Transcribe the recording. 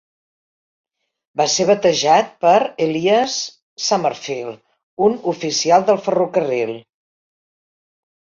Va ser batejat per Elias Summerfield, un oficial del ferrocarril.